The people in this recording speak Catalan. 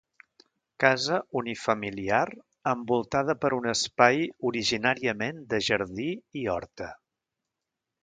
Casa unifamiliar envoltada per un espai originàriament de jardí i horta.